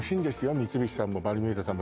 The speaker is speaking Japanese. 三菱さんもバルミューダさんも。